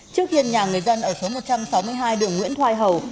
trước khiên nhà người dân ở số một trăm sáu mươi hai đường nguyễn thoài hầu